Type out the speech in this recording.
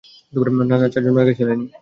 না, না, চারজন মারা গেছে, লেনি।